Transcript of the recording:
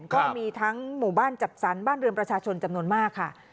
ก็มีทั้งหมู่บ้านจัดสรรบ้านเรือนประชาชนจำนวนมากค่ะ